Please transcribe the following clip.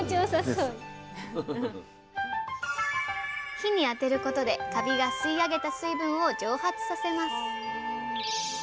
日に当てることでカビが吸い上げた水分を蒸発させます。